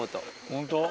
ホント？